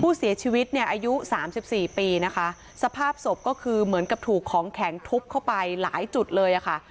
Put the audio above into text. ผู้เสียชีวิตเนี่ยอายุสามสิบสี่ปีนะคะสภาพศพก็คือเหมือนกับถูกของแข็งทุบเข้าไปหลายจุดเลยอ่ะค่ะ